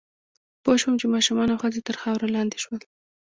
پوه شوم چې ماشومان او ښځې تر خاورو لاندې شول